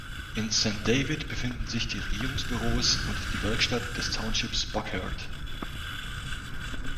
In Saint David befinden sich die Regierungsbüros und die Werkstatt des Townships Buckheart.